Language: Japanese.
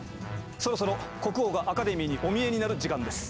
そろそろ国王がアカデミーにお見えになる時間です。